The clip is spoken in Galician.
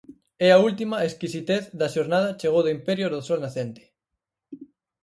E a última exquisitez da xornada chegou do imperio do sol nacente.